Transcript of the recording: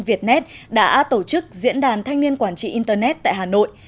vnet đã tổ chức diễn đàn thanh niên quản trị internet tại hà nội